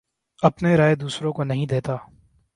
اپنے رائے دوسروں کے نہیں دیتا